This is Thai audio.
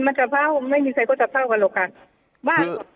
มันจะเผ้าไม่มีใครก็จะเผ้ากันหรอกครับ